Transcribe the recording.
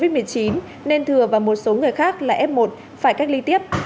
khi về địa phương thừa được đưa đi cách ly tập trung vào ngày ba tháng một mươi